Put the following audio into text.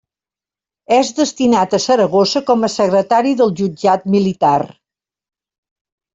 És destinat a Saragossa com a secretari del jutjat militar.